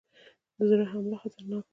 د زړه حمله خطرناکه ده